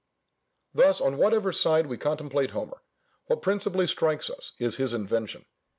Thus on whatever side we contemplate Homer, what principally strikes us is his invention.